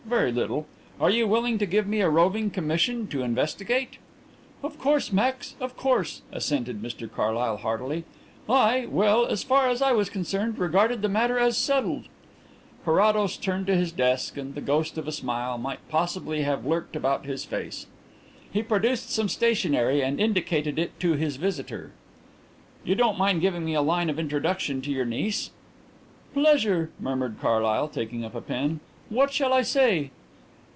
Very little.... Are you willing to give me a roving commission to investigate?" "Of course, Max, of course," assented Mr Carlyle heartily. "I well, as far as I was concerned, I regarded the matter as settled." Carrados turned to his desk and the ghost of a smile might possibly have lurked about his face. He produced some stationery and indicated it to his visitor. "You don't mind giving me a line of introduction to your niece?" "Pleasure," murmured Carlyle, taking up a pen. "What shall I say?"